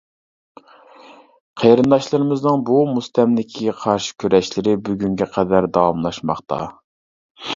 قېرىنداشلىرىمىزنىڭ بۇ مۇستەملىكىگە قارشى كۈرەشلىرى بۈگۈنگە قەدەر داۋاملاشماقتا.